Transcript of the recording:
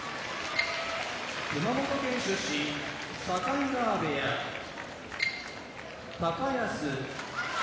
熊本県出身境川部屋高安